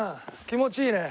気持ちいいね。